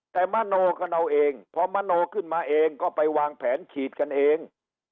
แต่มโนกันเอาเองพอมโนขึ้นมาเองก็ไปวางแผนฉีดกันเอง